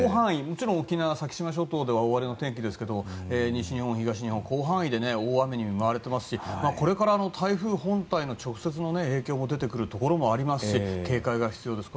もちろん沖縄の先島諸島では大荒れの天気ですが西日本、東日本の広範囲で大雨に見舞われていますしこれから台風本体の影響も出てくるところもありますし警戒が必要です。